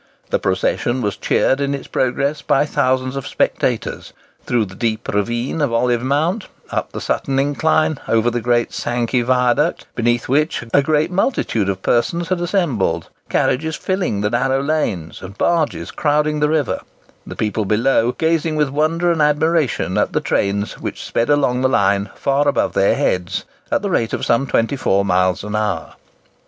The procession was cheered in its progress by thousands of spectators—through the deep ravine of Olive Mount; up the Sutton incline; over the great Sankey viaduct, beneath which a great multitude of persons had assembled,—carriages filling the narrow lanes, and barges crowding the river; the people below gazing with wonder and admiration at the trains which sped along the line, far above their heads, at the rate of some 24 miles an hour.